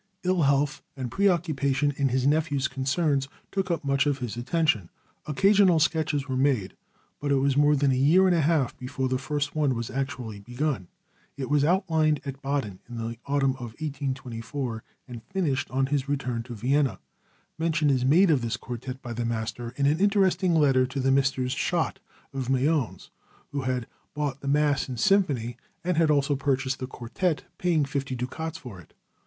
Ill health and preoccupation in his nephew's concerns took up much of his attention. Occasional sketches were made, but it was more than a year and a half before the first one was actually begun. It was outlined at Baden in the autumn of 1824, and finished on his return to Vienna. Mention is made of this quartet by the master in an interesting letter to Messrs. Schott of Mayence, who had bought the mass and symphony, and had also purchased the quartet, paying fifty ducats for it.